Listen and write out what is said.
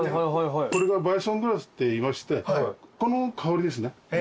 これがバイソングラスっていいましてこの香りですね。